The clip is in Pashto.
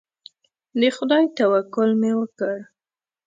د خدای توکل مې وکړ.